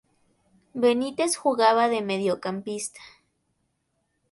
Benítez jugaba de mediocampista.